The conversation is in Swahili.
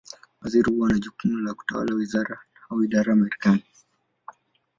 Waziri huwa na jukumu la kutawala wizara, au idara Marekani.